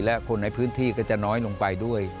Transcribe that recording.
และคนในพื้นที่ก็จะน้อยลงไปด้วย